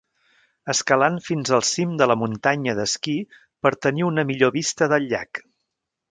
Escalant fins al cim de la muntanya d'esquí per tenir una millor vista del llac.